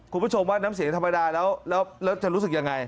คุณผู้ชมว่าน้ำเสียงธรรมดาแล้วจะรู้สึกยังไง